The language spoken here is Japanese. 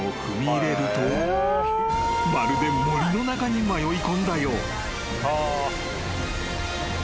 ［まるで森の中に迷いこんだよう］